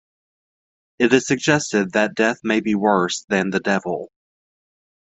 It is suggested, that Death may be worse than the Devil.